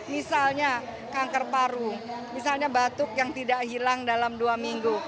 misalnya kanker paru misalnya batuk yang tidak hilang dalam dua minggu